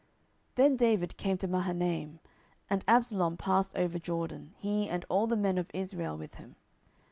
10:017:024 Then David came to Mahanaim. And Absalom passed over Jordan, he and all the men of Israel with him.